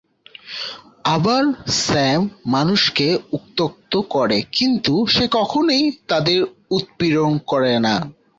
আবার, স্যাম মানুষকে উত্ত্যক্ত করে, কিন্তু সে কখনোই তাদের উৎপীড়ন করে না।